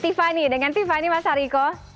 tiffany dengan tiffany mas hariko